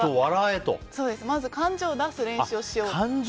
まず感情を出す練習をしようと。